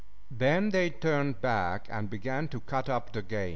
Then they turned back and began to cut up the game.